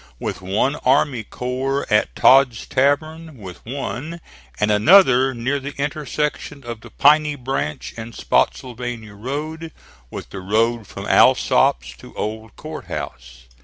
with one army corps, at Todd's Tavern with one, and another near the intersection of the Piney Branch and Spottsylvania road with the road from Alsop's to Old Court House.